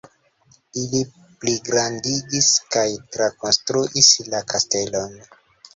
Ili pligrandigis kaj trakonstruis la kastelon.